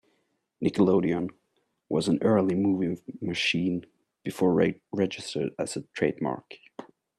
"Nickelodeon" was an early movie machine before registered as a trademark.